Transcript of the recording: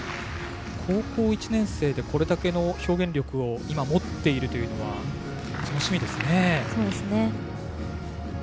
高校１年生でこれだけの表現力を今、持っているというのは楽しみですね。